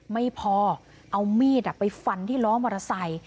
ไม่พอเอามีดไปฟันที่ล้อมอเตอร์ไซค์